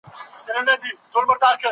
درد تر مرګ ډیر په ژوند کي دی.